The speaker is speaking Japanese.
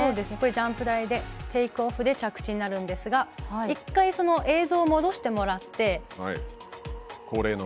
これジャンプ台でテイクオフで着地になるんですが１回その映像を戻してもらって。